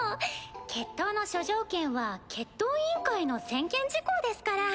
決闘の諸条件は決闘委員会の専権事項ですから。